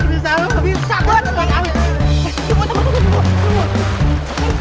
bisa lu bisa gue temen dua